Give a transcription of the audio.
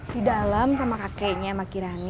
di dalam sama kakeknya sama kirani